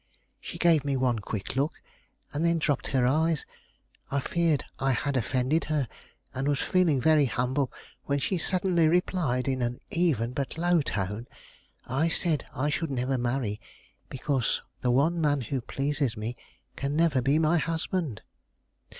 She gave me one quick look, and then dropped her eyes. I feared I had offended her, and was feeling very humble, when she suddenly replied, in an even but low tone, "I said I should never marry, because the one man who pleases me can never be my husband."